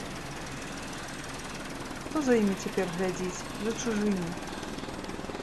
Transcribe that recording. Хто за імі цяпер глядзіць, за чужымі?